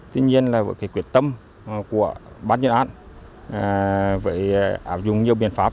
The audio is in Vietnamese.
tuy nhiên với quyết tâm của ban chuyên án với áp dụng nhiều biện pháp